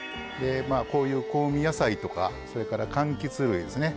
こういう香味野菜とかかんきつ類ですね。